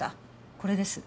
これです